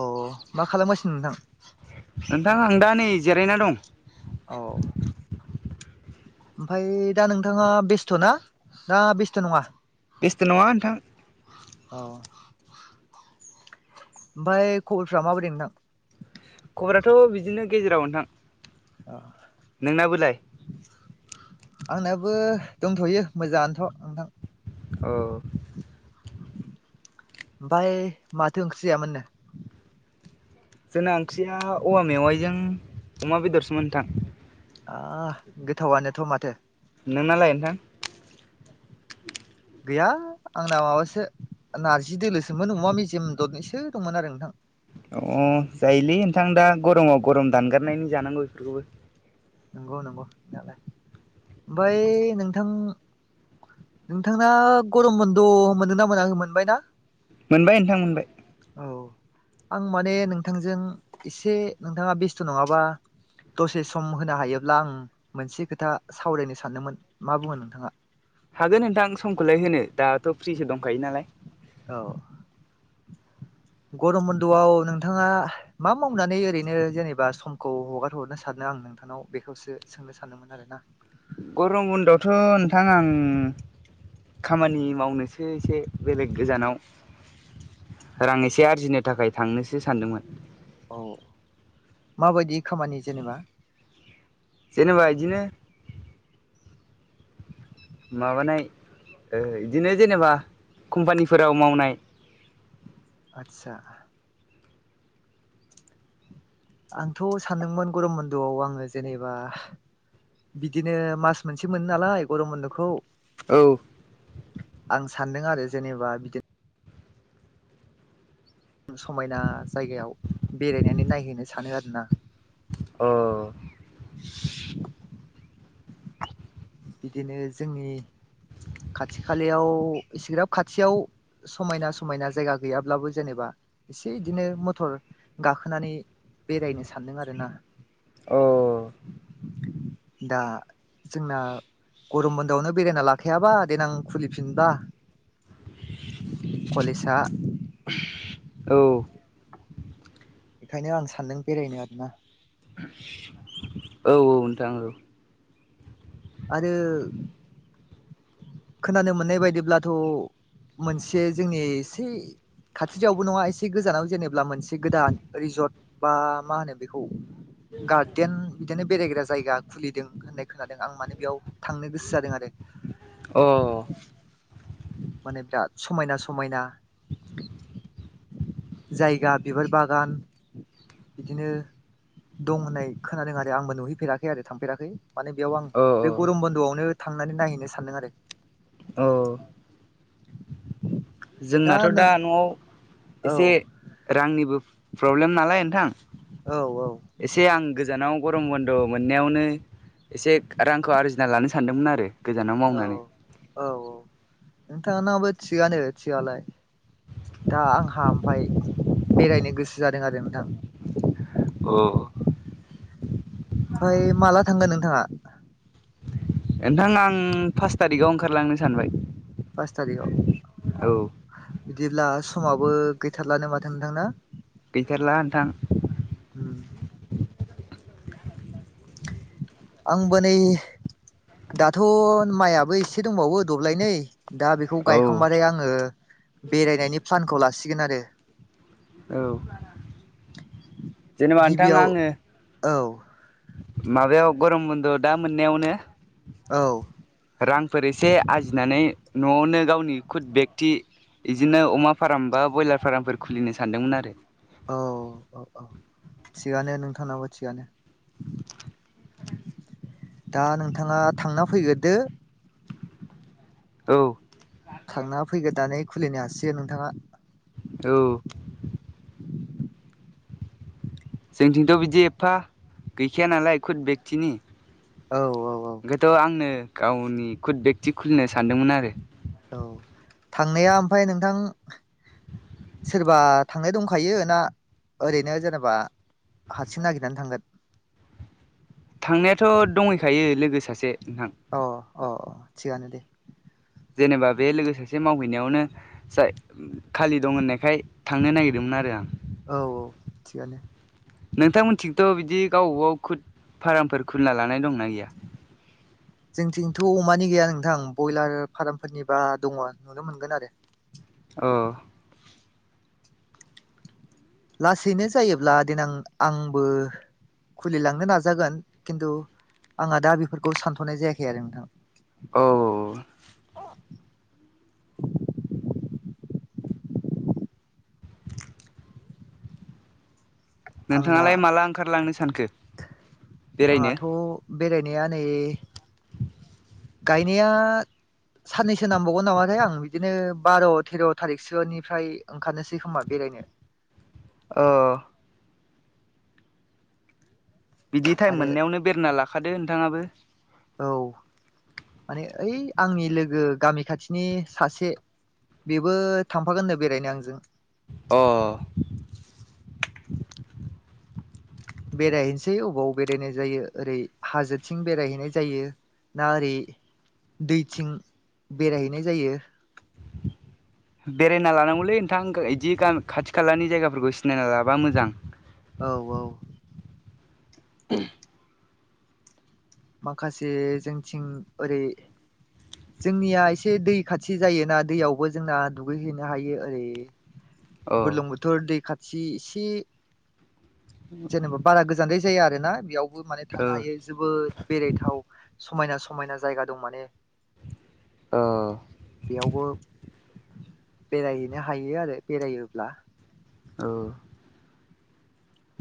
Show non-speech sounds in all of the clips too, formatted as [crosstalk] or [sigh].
अ मा खालामगासिनो नोंथां? नोंथां आं दा नै जिरायना दं। औ। ओमफ्राय दा नोंथाङा बेस्थ' ना, ना बेस्थ' नङा? बेस्थ' नङा नोंथां। औ ओमफ्राय खबरफ्रा माबोरै नोंथां? खबराथ' बिदिनो गेजेराव नोंथां। अ नोंनाबोलाय आंनाबो दंथ'यो मोजाङानोथ' नोंथां। औ। ओमफ्राय माथो ओंख्रि जायामोननो? जोंना ओंख्रिया औवा मेवाइजों अमा बेदरसोमोन नोंथां। आ गोथावानोथ' माथो। नोंनालाय नोंथां? गैया आंना माबासो नार्जि दोलोसोमोन अमा मेजेम दरनिसो दंमोन आरो नोंथां। अ जायोलै नोंथां दा गरमाव गरम दानगारनायनि जानांगौ बेफोरखौबो। नंगौ नंगौ नंनायालाय ओमफ्राय नोंथां नोंथांना गरम बन्द' मोनदोंना मोनाखै मोनबाय ना? मोनबाय नोंथां मोनबाय। औ आं माने नोंथांजों एसे नोंथाङा बेस्थ' नङाबा दसे सम होनो हायोब्ला आं मोनसे खोथा सावरायनो सानदोंमोन मा बुङो नोंथाङा? हागोन नोंथां समखौलाय होनो दाथ' फ्रिसो दंखायो नालाय। औ गरम बन्द'आव नोंथाङा मा मावनानै ओरैनो जेनेबा समखौ हगार हरनो सानदों? आं नोंथांनाव बेखौसो सोंनो सानदोंमोन आरोना। गरम बन्दआवथ' नोंथां आं खामानि मावनोसो एसे बेलेग गोजानाव रां एसे आरजिनो थाखाय थांनोसो सानदोंमोन। औ माबायदि खामानि जेनेबा? जेनेबा इदिनो माबानाय ओ बिदिनो जेनेबा कम्पानिफोराव मावनाय। आदसा आंथ' सानदोंमोन गरम बन्दआव आङो जेनेबा बिदिनो मास मोनसे मोनो नालाय गरम बन्द'खौ। औ आं सानदों आरो जेनेबा बिदिन नो समायना जायगायाव बेरायनानै नायहैनो सानो आरोना। अ बिदिनो जोंनि खाथि खालायाव इसेग्राब खाथियाव समायना समायना जायगा गैयाब्लाबो जेनेबा एसे इदिनो मथर गाखोनानै बेरायनो सानदों आरो ना। औ दा जोंना गरम बन्दोआवनो बेरायना लाखायाबा देनां खुलिफिनबा कलेजा औ बेखायनो आं सान्दों बेरायनो आरोना। औ औ‌ नोंथां औ। आरो खोनानो मोननाय बायदिब्लाथ' मोनसे जोंनि एसे खाथिद्रायावबो नङा एसे गोजानाव जेनेबा मोनसे गोदान रिजर्ट बा मा होनो बेखौ? गार्डेन बिदिनो बेरायग्रा जायगा खुलिदों होननाय खोनादों आं मानो बेयाव थांनो गोसो जादों आरो। अ माने बिराद समायना समायना जायगा बिबार बागान बिदिनो दं होननाय खोनादों आरो आंबो नुहैफेराखै आरो थांफेराखै। माने बेयाव आं बे गरम अ बन्द'आवनो थांनानै नायहैनो सानदों आरो। औ जोंनाथ' दा न'आव औ एसे रांनिबो प्रब्लेम नालाय नोंथां औ एसे आं गोजानाव गरम बन्द' मोन मोननायावनो एसे रांखौ आरजिना लानो सानदोंमोन आरो गोजानाव औ मावनानै। औ औ नोंथाङा नाबो थिगानो थिगालाय। दा आंहा ओमफाय बेरायनो गोसो जादों आरो नोंथां। अ ओमफ्राय माला थांगोन नोंथाङा। नोंथां आं पास थारिखाव ओंखारलांनो सानबाय। फास थारिखआव औ अ बिदिब्ला समाबो गैथारलानो माथो नोंथांना। गैथारला नोंथां। होम आंबो नै दाथ' माइआबो एसे दंबावो दब्लायनै दा बेखौ औ गायखांबाथाय आङो बेरायनायनि प्लानखौ लासिगोन आरो औ जेनेबा नोंथां गिबियाव आङो औ माबायाव गरम बन्द दा मोननायावनो औ रांफोर एसे आरजिनानै न'आवनो गावनि खुद बेकति बिदिनो अमा फार्म बा ब्रयलार फार्मफोर खुलिनो सानदोंमोन आरो औ औ औ थिगानो नोंथांनाबो थिगानो दा नोंथाङा थांना फैग्रोदो औ थांना फैग्रोनानै खुलिनो हासिगोन नोंथाङा औ जोंथिंथ' बिदि एफा गैखाया नालाय खुद बेकतिनि औ औ औ बेखायथ' आंनो गावनि खुद बेकति खुलिनो सानदोंमोन आरो औ थांनाया ओमफाय नोंथां सोरबा थांनाय दंखायो ना ओरैनो जेनेबा हारसिं नागिरनानै थांगोन थांनायाथ' दंहैखायो लोगो सासे नोंथां अ अ अ थिगानो दे जेनेबा बे लोगो सासे मावहैनायावनो जाय खालि दं होननायखाय थांनो नागिरदोंमोन आरो आं औ औ थिगानो नोंथांमोनथिथ' बिदि गावबा गाव खुद फार्मफोर खुलिना लानाय दंना गैया [inaudible] जोंथिंथ' अमानि गैया नोंथां बयलार फार्मफोरनिबा दङ नुनो मोनगोन आरो औ लासैनो जायोब्ला देनां आंबो खुलिलांनो नाजागोन खिन्थु आंहा दा बेफोरखौ सानथ'नाय जायाखै आरो नोंथां औ आंना नोंथाङालाय माला ओंखारलांनो सानखो बेरायनो आंहाथ' बेरायनाया नै गायनाया साननैसो नांबावगोन नामाथाय आं बिदिनो बार' तेर' थारिखसोनिफ्राय ओंखारनोसै खोमा बेरायनो [inaudible] ओ बिदि टाइम आरो मोननायावनो बेरायना लाखादो नोंथाङाबो औ माने ओइ आंनि लोगो गामि खाथिनि सासे बेबो थांफागोननो बेरायनो आंजों अ बेरायहैनोसै अबाव बेरायनाय जायो ओरै हाजोथिं बेरायहैनाय जायो ना ओरै दैथिं बेरायहैनाय जायो बेरायना लानांगौलै नोंथां इदि गामि खाथि खालानि जायगाफोरखौ सिनायना लाबा मोजां औ औ । [unintelligible] माखासे जोंथिं ओरै जोंनिया इसे दै खाथि जायोना दैयावबो जोंना दुगै हैनो हायो ओरै अ ओ बुर्लुंबुथुर दै खाथि इसे जेनेबा बारा गोजा जानद्राय जाया आरोना बेयावबो माने अ थांनो हायो जोबोद जेरै थाव समायना समायना जायगा दं माने [inaudible] बेयावबो औ बेरायहैनो हायो आरो बेरायोब्ला। औ।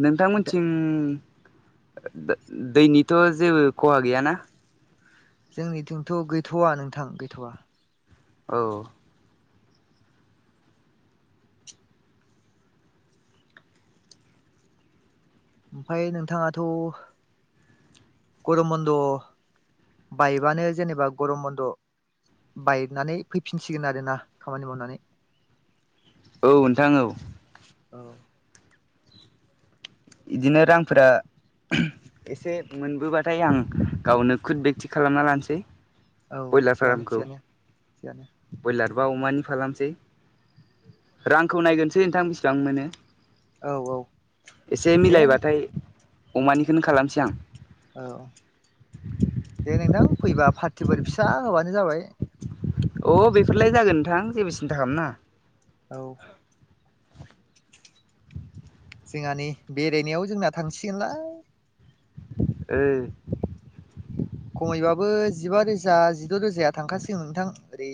नोंथां दा मोनथिं दैनिथ' जेबो खहा गैयाना? जोंनिथिंथ' गैथ'वा नोंथां गैथ'वा। औ। ओमफाय नोंथाङाथ' गर'म बन्द' बाइबानो जेनेबा गर'म बन्द' बायनानै फैफिनसिगोन आरोना खामानि मावनानै। औ नोंथां औ। औ। बिदिनो रांफोरा एसे मोनबोबाथाय आं गावनो खुद बेक्ति खालामना लानोसै। औ बयलार थिगानो फारामखौ थिगानो थिगानो बयलार बा अमानि फालाम सै रांखौ नायग्रोनोसै नोंथां बेसेबां मोनो। औ औ। एसे दे मिलायबाथाय अमानिखोनो खालामसै आं। औ। दे नोंथां फैबा फार्टिफोर फिसा होबानो जाबाय। अ बेफोरलाय जागोन नोंथां जेबो सिन्था खाम नाङा। औ। जोंहा नै बेरायनायाव जोंना थांसिगोनलाय। ओ। खमैबाबो जिबा रोजा जिद' रोजाया थांखासिगोन नोंथां ओरै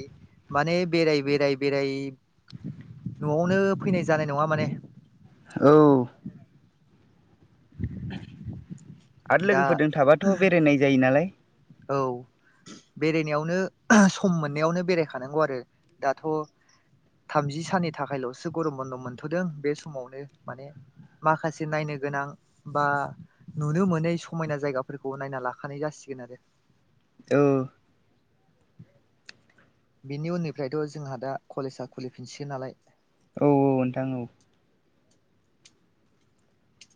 माने बेराय बेराय बेराय न'आवनो फैनाय जानाय नङा माने। औ। आरो दा लोगोफोरजों थाबाथ' बेरायनाय जायो नालाय। औ। बेरायनायावनो सम मोननायावनो बेरायखानांगौ आरो दाथ' थामजि साननि थाखायल'सो गर'म बन्द' मोनथ'दों बे समावनो माने माखासे नायनो नो गोनां बा नुनो मोनै समायना जायगाफोरखौ नायना लाखानाय जासिगोन आरो। औ। बिनि उननिफ्रायथ' जोंहा दा कलेजआ खुलिफिनसिगोन नालाय। औ औ नोंथां औ।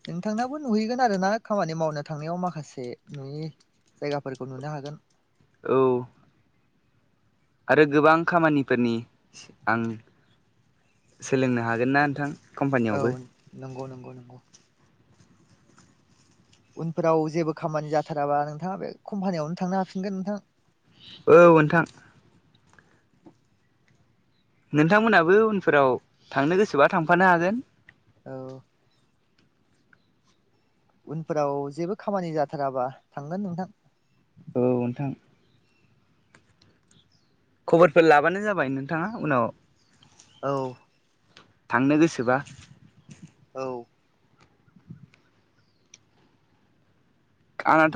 नोंथांनाबो नुहैगोन आरो ना खामानि मावनो थांनायाव माखासे नुयि जायगाफोरखौ नुनो हागोन। औ। आरो गोबां खामानिफोरनि आं सोलोंनो हागोन ना नोंथां? औ कम्पानियावबो [inaudible] नंगौ नंगौ नंगौ। उनफोराव जेबो खामानि जाथाराबा नोंथाङा बे कम्फानियावनो थांनो हाफिनगोन नोंथां। औ नोंथां। नोंथांमोनहाबो उनफोराव थांनो गोसोबा थांफानो हागोन। औ। उनफोराव जेबो खामानि जाथाराबा थांगोन नोंथां। औ नोंथां। खबरफोर लाबानो जाबाय नोंथाङा उनाव औ। थांनो गोसोबा। औ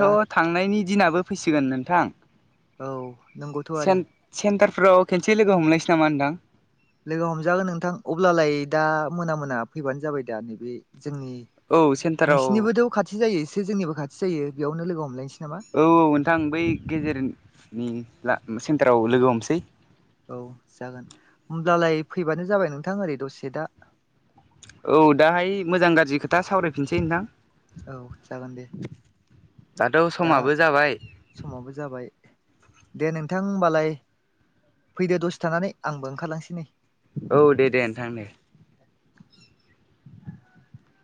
दा थांनायनि दिनाबो फैसिगोन नोंथां। औ। नंगौथ' आरो सेन्ट-सेन्टारफोराव खनसे लोगो हमलनोसै नामा नोंथां? लोगो हमजागोन नोंथां अब्लालाय दा मोना मोना फैबानो जाबाय दा नैबे जोंनि औ सेन्टाराव नोंसिनिबोथ' खाथि जायो एसे जोंनिबो खाथि जायो बेयावनो लोगो हमलायनोसै। नामा औ औ नोंथां बै गेजेरनि ला सेन्टाराव लोगो हमसै। औ जागोन होमब्लालाय फैबानो जाबाय नोंथां ओरै दसे दा। औ दाहाय मोजां गाज्रि खोथा सावरायफिनसै नोंथां। औ जागोन दे। दाथ' दा समाबो जाबाय। समाबो जाबाय दे नोंथां होमबालाय फैदो दसे थानानै आंबो ओंखारलांसै नै। औ दे दे नोंथां दे। [inaudible]